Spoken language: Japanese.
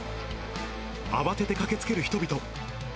慌てて駆けつける人々。